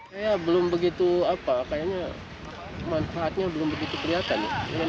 saya belum begitu apa kayaknya manfaatnya belum begitu kelihatan